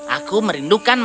aku merindukan makanan